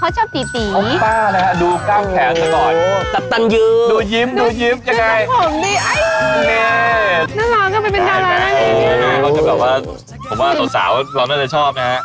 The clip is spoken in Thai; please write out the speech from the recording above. เธอก็จะเปล่าว่าผมว่าสุดสาวเราน่าจะชอบนะครับ